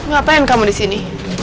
gapain kamu disini